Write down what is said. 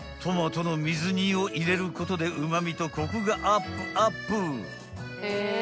［トマトの水煮を入れることでうま味とコクがアップアップ］